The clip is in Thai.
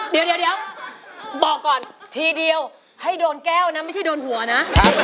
เดี๋ยวบอกก่อนทีเดียวให้โดนแก้วนะไม่ใช่โดนหัวนะ